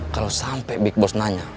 kalau sampai big boss nanya